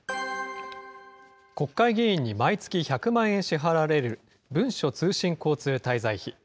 国会議員に毎月１００万円支払われる、文書通信交通滞在費。